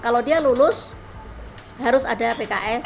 kalau dia lulus harus ada pks